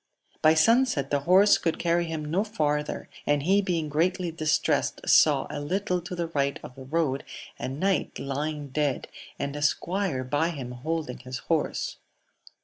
By sunset the horse could carry him no farther, and he being greatly distressed, saw a little to the right of the road a knight lying dead, and a squire by him holding his horse.